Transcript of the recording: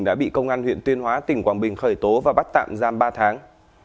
đã bị công an huyện tuyên hóa tỉnh quảng bình khởi tố và bắt tạm giam ba tháng